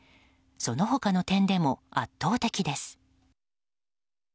その他の点でも圧倒的です。